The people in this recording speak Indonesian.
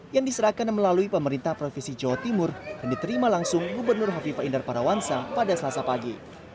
yang diserahkan melalui pemerintah provinsi jawa timur dan diterima langsung gubernur hovifah indar parawansa pada selasa pagi